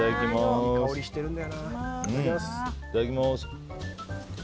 いただきます。